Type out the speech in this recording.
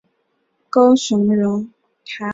高雄人。